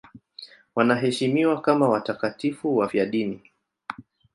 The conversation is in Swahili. Wanaheshimiwa kama watakatifu wafiadini.